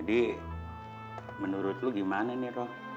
jadi menurut lu gimana nih rom